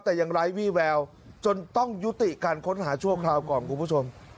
แต่ยังไร้วี่แววจนต้องยุติการค้นหาชั่วคราวก่อนคุณผู้ชม